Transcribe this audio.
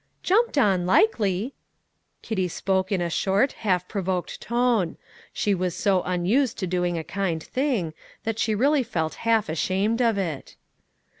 "Jumped on, likely." Kitty spoke in a short, half provoked tone; she was so unused to doing a kind thing, that she really felt half ashamed of it.